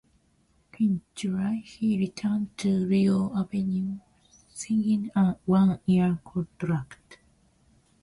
In July he returned to Rio Avenue, signing a one-year contract.